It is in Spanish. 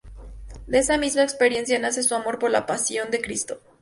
De esa misma experiencia nace su amor por la Pasión de Cristo.